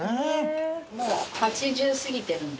もう８０過ぎてるんです。